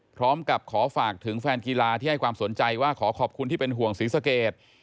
พร้อมกับขอฝากถึงแฟนกีฬาที่ให้ความสนใจว่าขอขอบคุณที่เป็นห่วงศรีสเกต